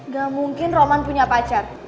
gak mungkin roman punya pacar